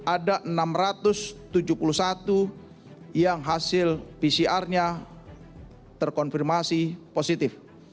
ada enam ratus tujuh puluh satu yang hasil pcr nya terkonfirmasi positif